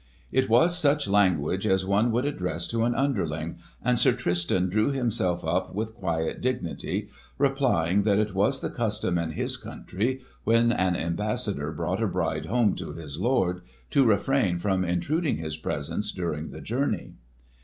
It was such language as one would address to an underling, and Sir Tristan drew himself up with quiet dignity, replying that it was the custom in his country, when an ambassador brought a bride home to his lord, to refrain from intruding his presence during the journey.